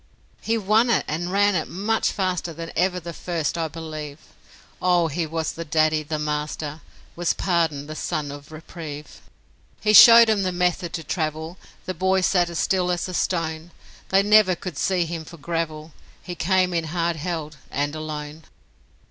He won it, and ran it much faster Than even the first, I believe Oh, he was the daddy, the master, Was Pardon, the son of Reprieve. He showed 'em the method to travel The boy sat as still as a stone They never could see him for gravel; He came in hard held, and alone.